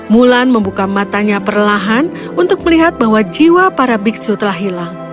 mulan membuka matanya perlahan untuk melihat bahwa jiwa para biksu telah hilang